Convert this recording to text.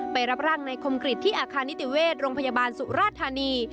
ไปรับร่างในคมกริจที่อาคารนิติเวชโรงพยาบาลสุราธานี